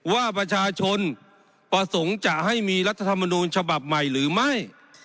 ว่าประชาชนประสงค์จะให้มีรัฐธรรมนูญฉบับใหม่หรือไม่